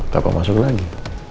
papa masuk lagi